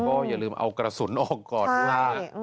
ก็อย่าลืมเอากระสุนออกก่อนว่า